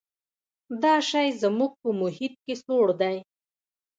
دا شی زموږ په محیط کې سوړ دی.